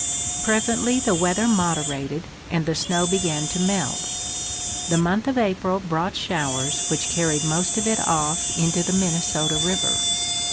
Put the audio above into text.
Presently the weather moderated and the snow began to melt. The month of April brought showers which carried most of it off into the Minnesota river.